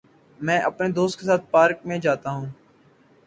میں اپنے دوست کے ساتھ پارک میں جاتا ہوں۔